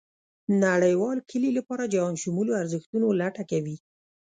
نړېوال کلي لپاره جهانشمولو ارزښتونو لټه کوي.